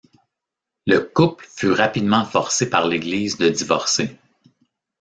Le couple fut rapidement forcé par l'église de divorcer.